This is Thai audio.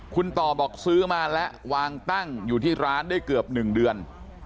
คุณต่อบอกซื้อมาและวางตั้งอยู่ที่ร้านได้เกือบ๑เดือน